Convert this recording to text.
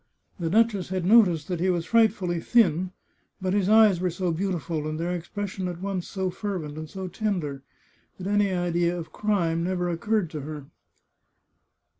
The duchess had noticed that he was frightfully thin, but his eyes were so beautiful, and their expression at once so fervent and so tender, that any idea of crime never oc curred to her.